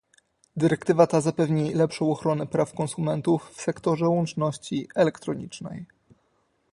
Dyrektywa ta zapewni lepszą ochronę praw konsumentów w sektorze łączności elektronicznej